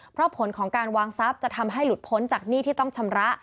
เพราะผลของการวางทรัพย์จะทำให้หลุดพ้นจากหนี้ที่ต้องชำระ